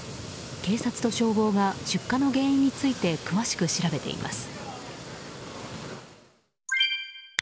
警察と消防が出火の原因について詳しく調べています。